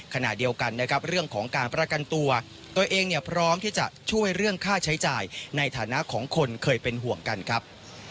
ขณะเดียวกันนะครับเรื่องของการประกันตัวตัวเองเนี่ยพร้อมที่จะช่วยเรื่องค่าใช้จ่ายในฐานะของคนเคยเป็นห่วงกันครับ